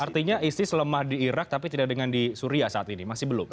artinya isis lemah di irak tapi tidak dengan di suria saat ini masih belum